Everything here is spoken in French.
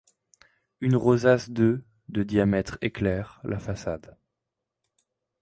Une rosace de de diamètre éclaire la façade.